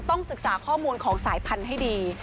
ต้องศึกษาข้อมูลของสายพันธุ์ให้ดี